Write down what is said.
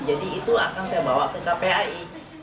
jadi itu akan saya bawa ke kpai